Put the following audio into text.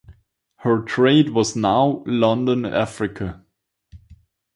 Her trade was now London–Africa.